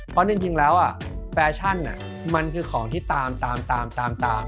เพราะจริงแล้วอ่ะแฟชั่นอ่ะมันคือของที่ตาม